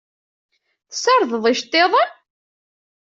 Tessardeḍ iceṭṭiḍen?